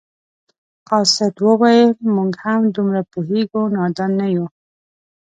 قاصد وویل موږ هم دومره پوهیږو نادان نه یو.